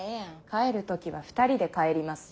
帰る時は２人で帰ります。